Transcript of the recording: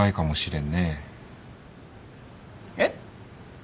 えっ？